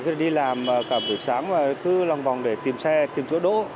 khi đi làm cả buổi sáng và cứ lòng vòng để tìm xe tìm chỗ đỗ